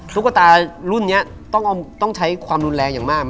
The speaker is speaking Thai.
ตุ๊กตารุ่นนี้ต้องใช้ความรุนแรงอย่างมาก